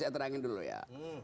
saya terangin dulu ya